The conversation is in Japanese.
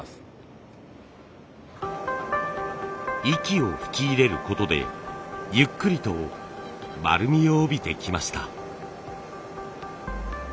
息を吹き入れることでゆっくりと丸みを帯びてきました。